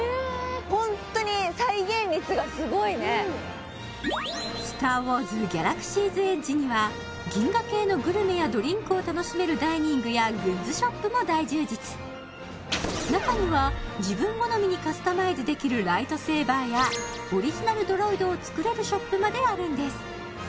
ホントにスター・ウォーズ：ギャラクシーズ・エッジには銀河系のグルメやドリンクを楽しめるダイニングやグッズショップも大充実中には自分好みにカスタマイズできるライトセーバーやオリジナルドロイドを作れるショップまであるんです